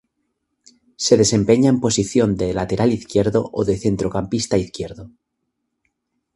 Se desempeña en posición de lateral izquierdo o de centrocampista izquierdo.